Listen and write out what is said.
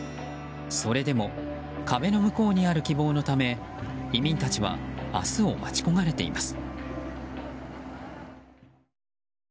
それでも壁の向こうにある希望のため移民たちは明日を待ち焦がれています。